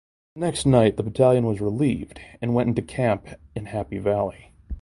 The next night the battalion was relieved and went into camp in Happy Valley.